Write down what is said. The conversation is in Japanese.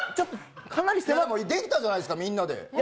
できたじゃないですか、みんなで。